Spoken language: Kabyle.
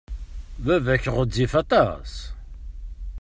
Baba-k ɣezzif aṭas.